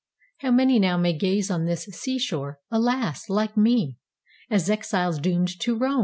How many now may gaze on this sea shore, Alas! like me, as exiles doomed to roam!